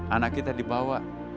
anak kita dibawa